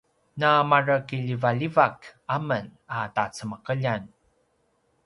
na mare kiljivaljivak amen a tacemekeljan